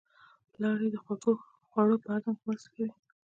لاړې د خوړو په هضم کې مرسته کوي